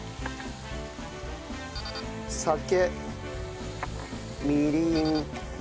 酒みりん。